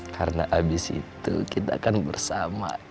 karena abis itu kita akan bersama